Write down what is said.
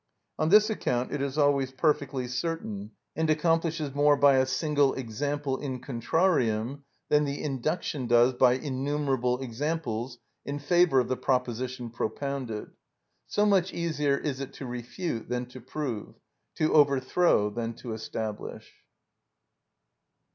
On this account it is always perfectly certain, and accomplishes more by a single example in contrarium than the induction does by innumerable examples in favour of the proposition propounded. So much easier is it to refute than to prove, to overthrow than to establish.